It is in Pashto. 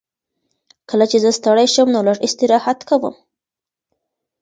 کله چې زه ستړی شم نو لږ استراحت کوم.